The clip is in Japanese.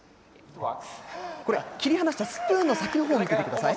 これ、切り離したスプーンの先のほう見ててください。